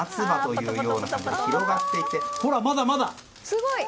ほら、まだまだ！